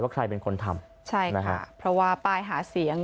ใครเป็นคนทำใช่ค่ะเพราะว่าป้ายหาเสียง